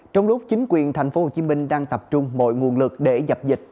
trong lúc chính quyền tp hcm đang tập trung mọi nguồn lực để dập dịch